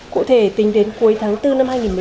cụ thể tính đến cuối tháng bốn năm hai nghìn một mươi chín